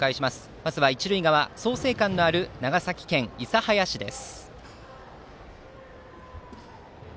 まずは創成館のある長崎県諫早市です。